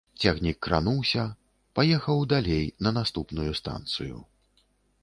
Цягнік крануўся, паехаў далей на наступную станцыю.